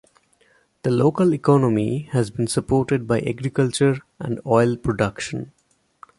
The local economy has been supported by agriculture and oil production.